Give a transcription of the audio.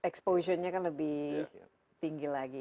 expotionnya kan lebih tinggi lagi